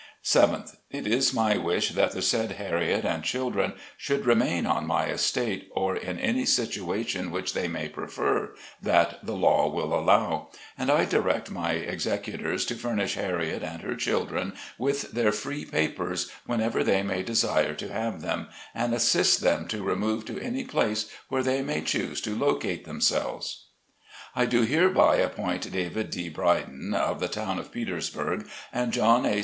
7th. It is my wish that the said Harriet and children should remain on my estate, or in any situ ation which they may prefer that the law will allow ; and I direct my Executors to furnish Harriet and her children with their Free Papers, whenever they may desire to have them, and assist them to remove to any place they may choose to locate themselves. I do hereby appoint David D. Brydon, of the Town of Petersburg, and John A.